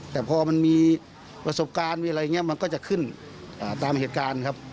แต่พอมันมีประสบการณ์มายังอะไรเงี้ยมันก็จะขึ้นอ่าตามเหตุการณ์ครับ